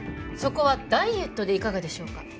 そこはダイエットでいかがでしょうか？